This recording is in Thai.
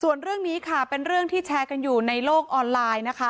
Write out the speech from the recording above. ส่วนเรื่องนี้ค่ะเป็นเรื่องที่แชร์กันอยู่ในโลกออนไลน์นะคะ